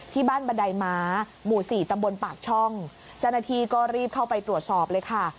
บ้านบันไดม้าหมู่สี่ตำบลปากช่องเจ้าหน้าที่ก็รีบเข้าไปตรวจสอบเลยค่ะ